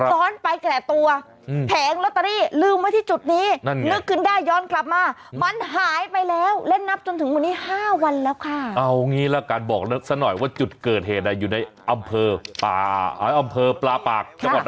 ซ้อนไปแกะตัวแผงลอตเตอรี่ลืมไว้ที่จุดนี้